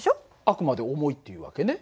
あくまで重いって言う訳ね。